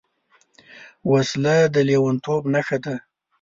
وسله د لېونتوب نښه ده